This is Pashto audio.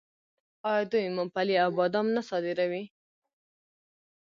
آیا دوی ممپلی او بادام نه صادروي؟